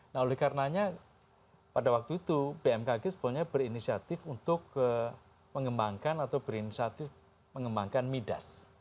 nah oleh karenanya pada waktu itu bmkg sebetulnya berinisiatif untuk mengembangkan atau berinisiatif mengembangkan midas